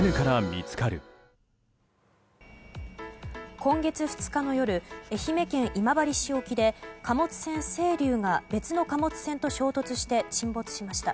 今月２日の夜愛媛県今治市沖で貨物船「せいりゅう」が別の貨物船と衝突して沈没しました。